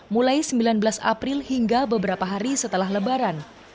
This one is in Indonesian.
mulai sembilan belas april hingga beberapa hari setelah lebaran